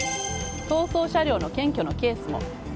逃走車両の検挙のケースも。